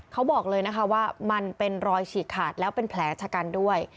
เขาบอกเลยนะคะว่ามันเป็นรอยฉีกขาดแล้วเป็นแผลชะกันด้วย